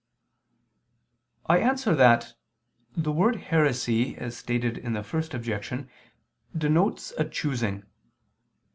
I answer that, The word heresy as stated in the first objection denotes a choosing.